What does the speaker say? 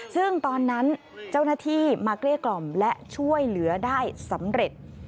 ซึ่งตอนนั้นเจ้าหน้าที่มาเกลี้ยกล่อมและช่วยเหลือได้สำเร็จ